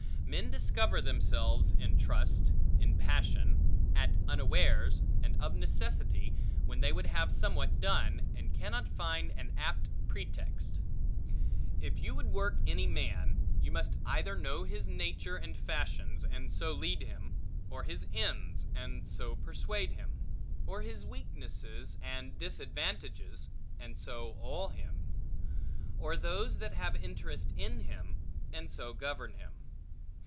Men discover themselves in trust, in passion, at unawares, and of necessity, when they would have somewhat done, and cannot find an apt pretext. If you would work any man, you must either know his nature and fashions, and so lead him; or his ends, and so persuade him; or his weakness and disadvantages, and so awe him; or those that have interest in him, and so govern him.